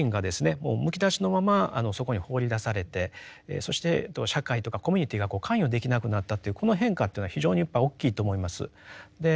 もうむき出しのままそこに放り出されてそして社会とかコミュニティーが関与できなくなったというこの変化というのは非常にやっぱり大きいと思います。